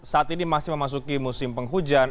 saat ini masih memasuki musim penghujan